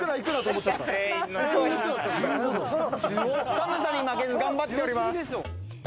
寒さに負けず頑張っております。